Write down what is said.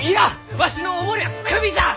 わしのお守りはクビじゃあ！